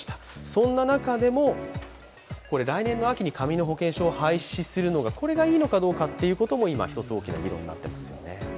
そんな中でも、来年の秋に紙の保険証を廃止するのもこれがいいのかどうかということも今ひとつ大きな焦点になっていますよね。